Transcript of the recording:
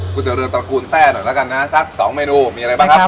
กูจะเริ่มตระกูลแต่หน่อยด้วยนะครับสัก๒เมนูมีอะไรบ้างครับ